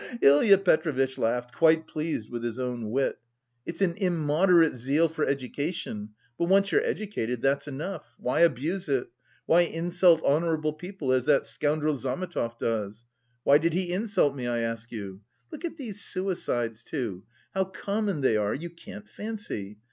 Ha ha!" Ilya Petrovitch laughed, quite pleased with his own wit. "It's an immoderate zeal for education, but once you're educated, that's enough. Why abuse it? Why insult honourable people, as that scoundrel Zametov does? Why did he insult me, I ask you? Look at these suicides, too, how common they are, you can't fancy!